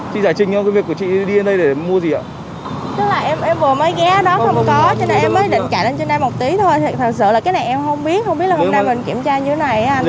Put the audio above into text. có cho nên em mới định cãi lên trên đây một tí thôi thật sự là cái này em không biết không biết là hôm nay mình kiểm tra như thế này